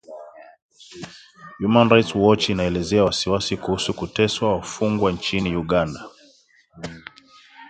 Human Rights Watch inaelezea wasiwasi kuhusu kuteswa wafungwa nchini Uganda